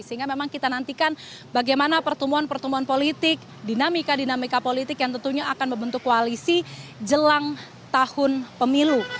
sehingga memang kita nantikan bagaimana pertumbuhan pertumbuhan politik dinamika dinamika politik yang tentunya akan membentuk koalisi jelang tahun pemilu